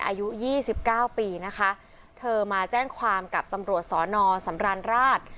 อายุยี่สิบเก้าปีนะคะเธอมาแจ้งความกับตำรวจสอนอสำราญราช